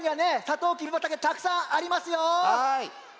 とうきび畑たくさんありますよ。